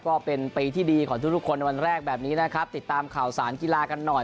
ก็เป็นปีที่ดีของทุกทุกคนในวันแรกแบบนี้นะครับติดตามข่าวสารกีฬากันหน่อย